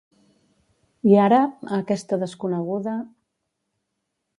I ara, aquesta desconeguda…